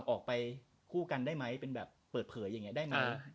ออกไปคู่กันได้ไหมเป็นแบบเปิดเผยอย่างนี้ได้ไหม